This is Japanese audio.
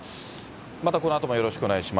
またこのあともよろしくお願いします。